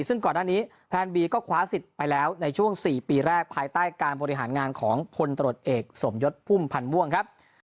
ซึ่งก่อนหน้านี้แพลนบีก็คว้าสิทธิ์ไปแล้วในช่วง๔ปีแรกภายใต้การบริหารงานของพลตรวจเอกสมยศพุ่มพันธ์ม่วงครับ